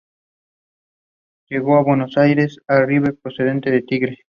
Llegó a Buenos Aires a River procedente de Tigre.